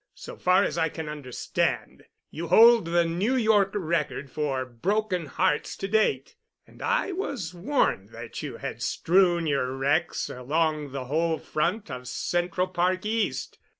So far as I can understand, you hold the New York record for broken hearts to date, and I was warned that you had strewn your wrecks along the whole front of Central Park East.